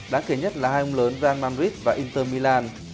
đáng kể nhất là hai ông lớn van manrit và inter milan